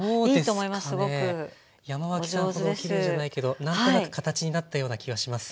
山脇さんほどきれいじゃないけど何となく形になったような気はします。